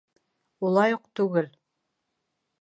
— Улай уҡ түгел.